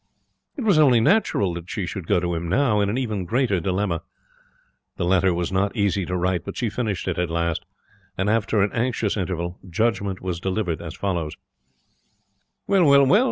It was only natural that she should go to him now, in an even greater dilemma. The letter was not easy to write, but she finished it at last; and, after an anxious interval, judgement was delivered as follows: 'Well, well, well!